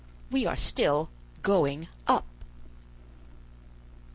We are still going up."